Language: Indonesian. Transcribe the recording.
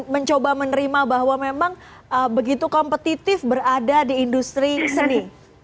mencoba menerima bahwa memang begitu kompetitif berada di industri seni